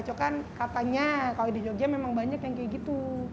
cuma kan katanya kalau di jogja memang banyak yang kayak gitu